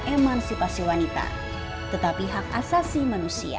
emansipasi wanita tetapi hak asasi manusia